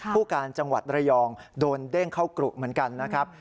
ผู้การจังหวัดระยองโดนเด้งเข้ากรุเหมือนกันนะครับ